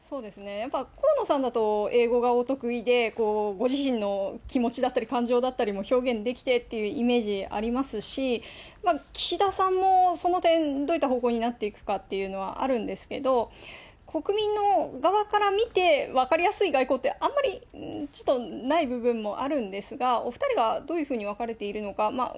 やっぱり河野さんだと、英語がお得意で、ご自身の気持ちだったり、感情だったりも表現できてっていうイメージありますし、岸田さんもその点、どういった方向になっていくかっていうのはあるんですけど、国民の側から見て、分かりやすい外交って、あんまり、ちょっと、ない部分もあるんですが、お２人はどういうふうに分かれているのか。